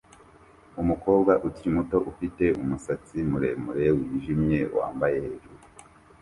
umukobwa ukiri muto ufite umusatsi muremure wijimye wambaye hejuru